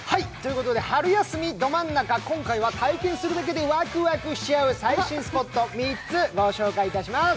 春休みど真ん中、今回は体験するだけでワクワクしちゃう最新スポットを３つご紹介します。